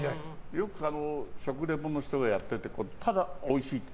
よく、食リポの人がやってるただ、おいしいって。